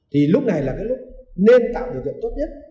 thì lúc này là cái lúc nên tạo điều kiện tốt nhất